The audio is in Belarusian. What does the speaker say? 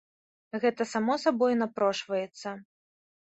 Гэта само сабой напрошваецца.